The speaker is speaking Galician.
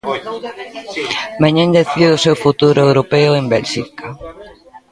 Mañá decide o seu futuro europeo en Bélxica.